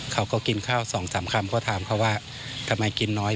เขาก็กินข้าวสองสามคำก็ถามเขาว่าทำไมกินน้อย